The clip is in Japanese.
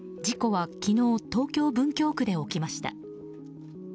事故は昨日東京・文京区で起きました。